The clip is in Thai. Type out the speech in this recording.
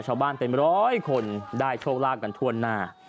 ชาวบ้านเต็มร้อยคนได้โชคลาภกันทั่วหน้า